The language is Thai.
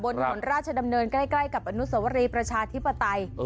ถนนราชดำเนินใกล้กับอนุสวรีประชาธิปไตย